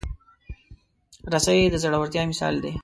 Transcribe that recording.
رسۍ د زړورتیا مثال دی.